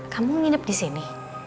kamu nginep disini